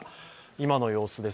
今の様子です。